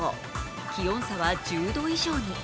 気温差は１０度以上に。